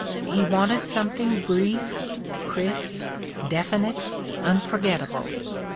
He wanted something brief, crisp, definite, unforget table.